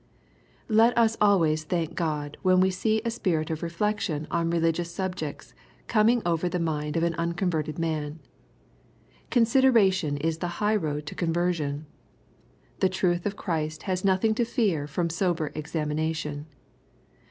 Let us always thank God when we see a spirit of re flection on religious subjects coming over the mind of an unconverted man. Consideration is the high road to conversion. The truth of Christ has nothing to fear from sober examination.